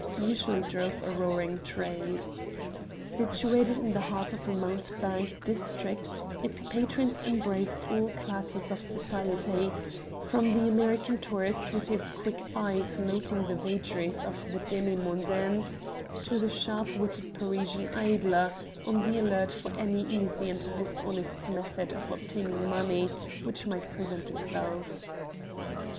usually drove a roaring trade. Situated in the heart of a mountebank district, its patrons embraced all classes of society, from the American tourist with his quick eyes noting the vagaries of demi mondaines, to the sharp witted Parisian idler, on the alert for any easy and dishonest method of obtaining money which might present itself.